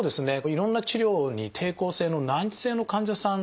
いろんな治療に抵抗性の難治性の患者さんでもですね